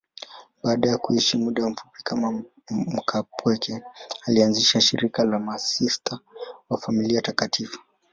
Baada ya kuishi muda mfupi kama mkaapweke, alianzisha shirika la Masista wa Familia Takatifu.